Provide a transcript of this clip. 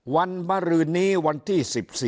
วันบรืนนี้วันที่๑๔